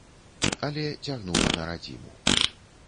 Але цягнула на радзіму.